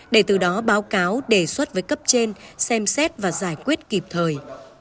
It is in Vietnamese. để từ đó báo cáo đề xuất với cấp trên xem xét và giải quyết kịp thời